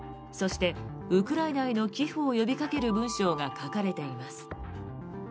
そして、ウクライナへの寄付を呼びかける文章が書かれています。